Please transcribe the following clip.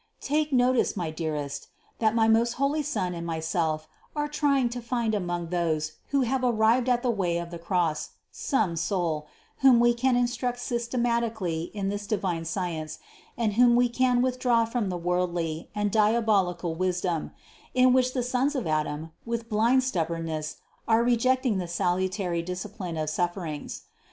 676. Take notice, my dearest, that my most holy Son and myself are trying to find among those who have ar rived at the way of the cross, some soul, whom We can instruct systematically in this divine science and whom We can withdraw from the worldly and diabolical wis dom, in which the sons of Adam, with blind stubborn ness, are rejecting the salutary discipline of sufferings.